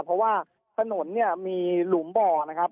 เพราะว่าถนนเนี่ยมีหลุมบ่อนะครับ